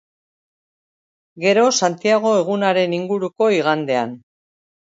Gero Santiago egunaren inguruko igandean.